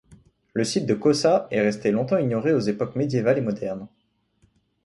Le site de Cossa est resté longtemps ignoré aux époques médiévales et modernes.